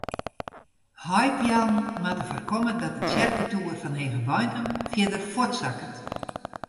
Heipeallen moatte foarkomme dat de tsjerketoer fan Hegebeintum fierder fuortsakket.